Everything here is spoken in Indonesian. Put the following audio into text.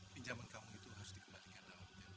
pinjaman kamu itu harus dikembalikan dalam